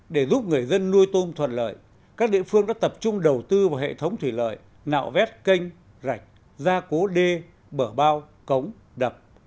để giúp người dân nuôi tôm thuận lợi các địa phương đã tập trung đầu tư vào hệ thống thủy lợi nạo vét canh rạch gia cố đê bờ bao cống đập